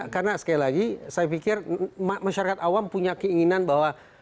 karena sekali lagi saya pikir masyarakat awam punya keinginan bahwa